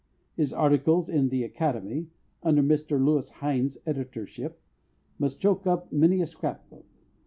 His articles in The Academy, under Mr Lewis Hind's editorship, must choke up many a scrapbook.